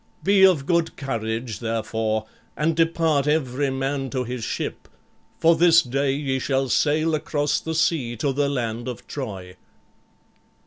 Be of good courage, therefore, and depart every man to his ship, for this day ye shall sail across the sea to the land of Troy."